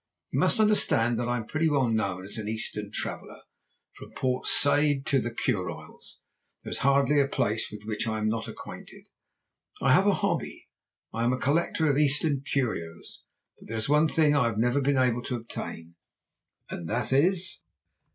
You must understand that I am pretty well known as an Eastern traveller; from Port Said to the Kuriles there is hardly a place with which I am not acquainted. I have a hobby. I am a collector of Eastern curios, but there is one thing I have never been able to obtain.' "'And that is?'